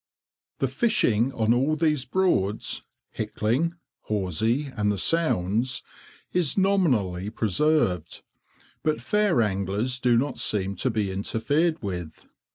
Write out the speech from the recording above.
The fishing on all these Broads—Hickling, Horsey, and the Sounds—is nominally preserved, but fair anglers do not seem to be interfered with.